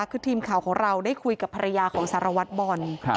คือทีมข่าวของเราได้คุยกับภรรยาของสารวัตรบอล